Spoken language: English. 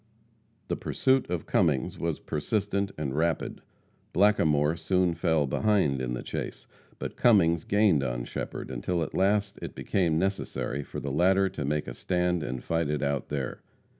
The pursuit of Cummings was persistent and rapid. Blackamore soon fell behind in the chase, but Cummings gained on Shepherd until at last it became necessary for the latter to make a stand and fight it out there.